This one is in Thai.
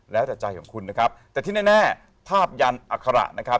แล้วแต่ใจของคุณนะครับแต่ที่แน่ภาพยันอัคระนะครับ